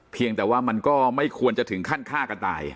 เพียงแต่ว่ามันก็ไม่ควรจะถึงขั้นฆ่ากันตาย